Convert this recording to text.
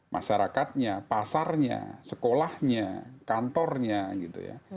masyarakatnya pasarnya sekolahnya kantornya gitu ya